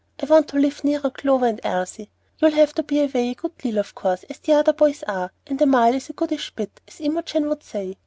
I want to live nearer Clover and Elsie. You'll have to be away a good deal, of course, as the other boys are, and a mile is 'a goodish bit,' as Imogen would say.